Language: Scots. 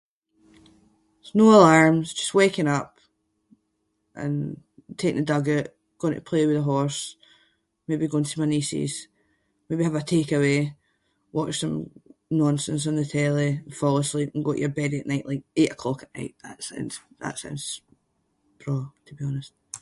Just no alarms, just waking up and taking the dog oot, going to play with the horse, maybe go and see my nieces, maybe have a takeaway, watch some nonsense on the telly, fall asleep and go to your bed at night, like eight o’clock at night. That sounds- that sounds braw to be honest.